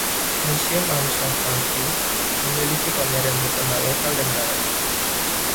Museum Armstrong County memiliki pameran bertema lokal dan barat.